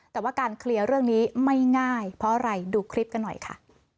แต่ว่าการเคลียร์เรื่องนี้ไม่ง่ายเพราะอะไรดูคลิปกันหน่อยค่ะ